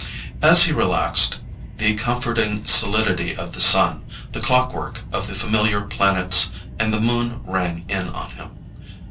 As he relaxed, the comforting solidity of the Sun, the clock work of the familiar planets and the Moon rang in on him.